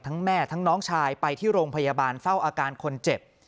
แม่ทั้งน้องชายไปที่โรงพยาบาลเฝ้าอาการคนเจ็บ